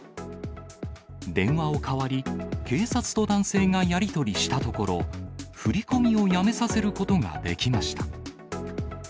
電話を代わり、警察と男性がやり取りしたところ、振り込みをやめさせることができました。